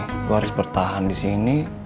aku harus bertahan di sini